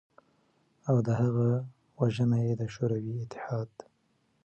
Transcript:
او د هغه وژنه ېې د شوروی اتحاد